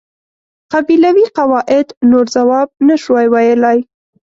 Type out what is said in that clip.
قبیلوي قواعد نور ځواب نشوای ویلای.